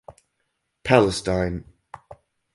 Palestine!